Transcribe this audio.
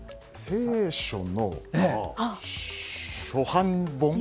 聖書の初版本？